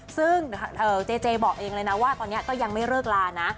ซึ่งเจเจบอกเองเลยนะว่าตอนนี้ก็ยังไม่เลิกลานะ